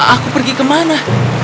aku pergi ke mana